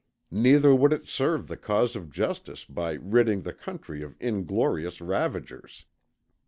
Neither would it serve the cause of justice by ridding the country of inglorious ravagers.